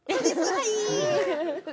はい。